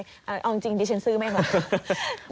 เอาจริงดิฉันซื้อไม่ไหว